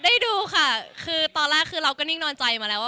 ได้รู้ค่ะคือตอนล่าคือเราก็นิ่งนอนใจว่า